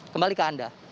kembali ke anda